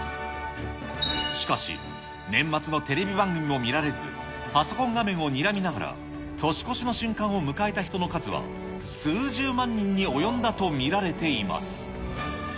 しかし、年末のテレビ番組も見られず、パソコン画面をにらみながら、年越しの瞬間を迎えた人の数は、数十万人に及んだと見られています。